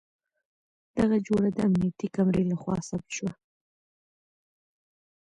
دغه جوړه د امنيتي کمرې له خوا ثبت شوه.